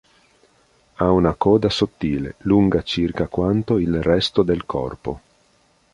Ha una coda sottile, lunga circa quanto il resto del corpo.